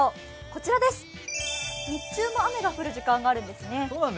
こちらです、日中も雨が降る時間があるんですね。